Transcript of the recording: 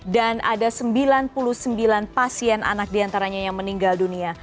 dan ada sembilan puluh sembilan pasien anak diantaranya yang meninggal dunia